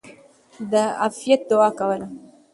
د عافيت دعاء کوله!!.